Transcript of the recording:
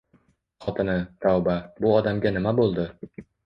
Xotini, tavba, bu odamga nima bo`ldi